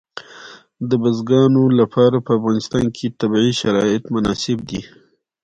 د بزګانو لپاره په افغانستان کې طبیعي شرایط مناسب دي.